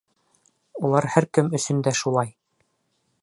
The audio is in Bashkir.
Ул һәр кем өсөн дә шулай.